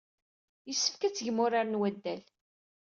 Yessefk ad tgem ugar n waddal.